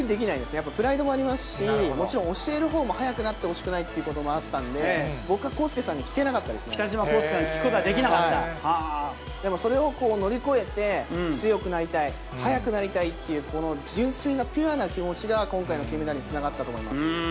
やっぱりプライドもありますし、もちろん教えるほうも速くなってほしくないということもあったんで、僕、北島康介さんに聞くことはででもそれを乗り越えて、強くなりたい、速くなりたいっていう、この純粋な、ピュアな気持ちが、今回の金メダルにつながったと思います。